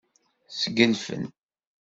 Sgelfen.